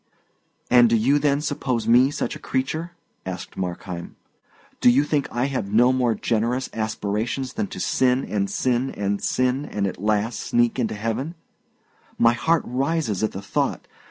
"And do you, then, suppose me such a creature?" asked Markheim. "Do you think I have no more generous aspirations than to sin and sin and sin and at last sneak into heaven? My heart rises at the thought.